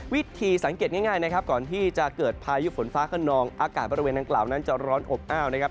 วิธีสังเกตง่ายนะครับก่อนที่จะเกิดพายุฝนฟ้าขนองอากาศบริเวณดังกล่าวนั้นจะร้อนอบอ้าวนะครับ